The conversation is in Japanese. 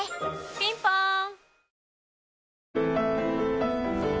ピンポーン